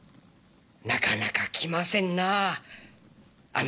なかなか来ませんなあ